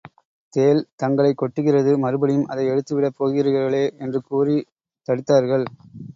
தேள், தங்களைக் கொட்டுகிறது மறுபடியும் அதை எடுத்துவிடப் போகிறீர்களே! என்று கூறித் தடுத்தார்கள்.